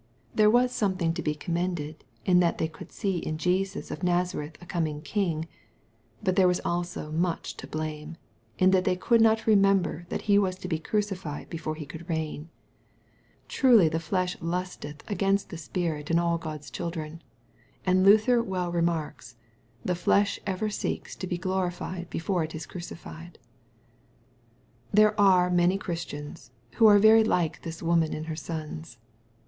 There was some thing to be commended, in that they could see in Jesus of Nazareth a coming king. But there was also much to blame, in that they did not remember that He was to be crucified before He could reign. Truly the flesh MATTHEW, CHAP. XX. 253 Insteth against the spirit in all GK)d's children, and Luther well remarks, " the flesh ever seeks to be glorified before it is crucified/' There are many Christians, who are very like this woman and her sons.